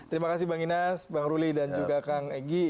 terima kasih bang inas bang ruli dan juga kang egy